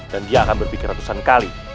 dan dia akan berpikir ratusan kali